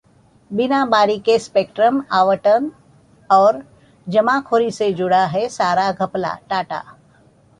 बिना बारी के स्पेक्ट्रम आवंटन और जमाखोरी से जुड़ा है सारा घपला: टाटा